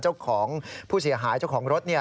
เจ้าของผู้เสียหายเจ้าของรถ